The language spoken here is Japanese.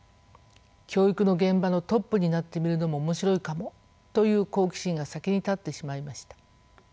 「教育の現場のトップになってみるのも面白いかも」という好奇心が先に立ってしまいました。